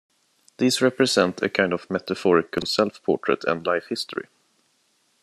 These represent a kind of metaphorical self-portrait and life history.